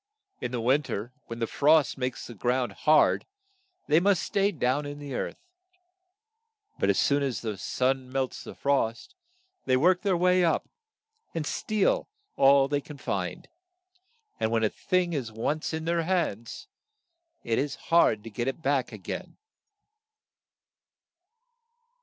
In the win ter, when the frost makes the ground hard, they must stay down in the earth ; but as soon as the sun melts the frost, they work their way up, and steal all they can find ; and when a thing is once in their hands it is hard to get it back a gain.